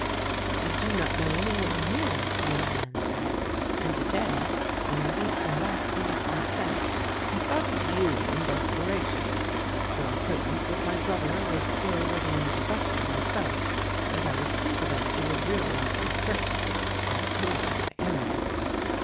"I do not know any one here," the young man said, "and to day, when I used my last twenty five cents, I thought of you in desperation. "Your acquaintance with my brother would serve as an introduction, I felt, and I was confident you would realize my straits when I told you my errand."